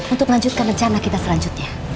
untuk melanjutkan rencana kita selanjutnya